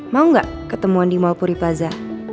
mau gak ketemuan di mall puripaza